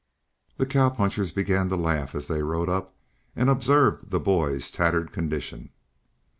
The cowpunchers began to laugh as they rode up and observed the boy's tattered condition.